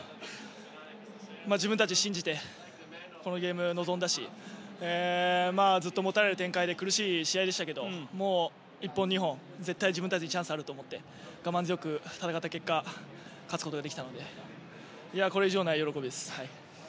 自分たちを信じてこのゲーム、臨んだしずっと持たれる展開で苦しい試合でしたけどもう１本、２本絶対自分たちにチャンスがあると思って我慢強く戦った結果勝つことができたのでこれ以上ない喜びです。